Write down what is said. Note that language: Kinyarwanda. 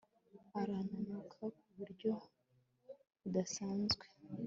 arananuka ku buryo budasanzwe